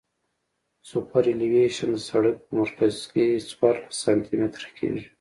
سوپرایلیویشن د سرک په مرکز کې څوارلس سانتي متره کیږي